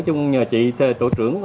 nói chung là chị tổ trưởng